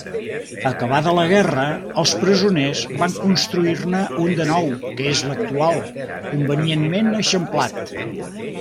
Acabada la guerra els presoners van construir-ne un de nou que és l'actual, convenientment eixamplat.